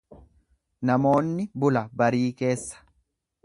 Namoonni bula barii keessa.